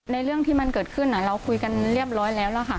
เรื่องที่มันเกิดขึ้นเราคุยกันเรียบร้อยแล้วล่ะค่ะ